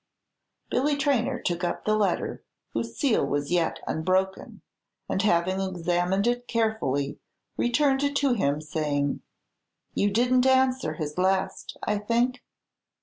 Billy Traynor took up the letter, whose seal was yet unbroken, and having examined it carefully, returned it to him, saying, "You did n't answer his last, I think?"